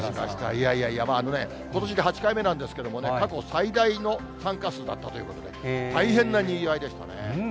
いやいやいや、あのね、ことしで８回目なんですけれどもね、過去最大の参加数だったということで、大変なにぎわいでしたね。